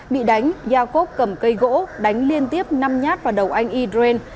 bị đánh jacob cầm cây gỗ đánh liên tiếp năm nhát vào đầu anh idren